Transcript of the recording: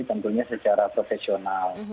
tentunya secara profesional